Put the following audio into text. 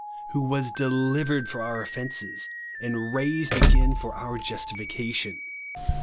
" Who was delivered for our offences, and raised again for our justification," (Rom.